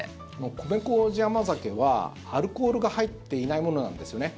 米麹甘酒はアルコールが入っていないものなんですよね。